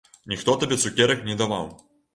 Ніхто табе цукерак не даваў?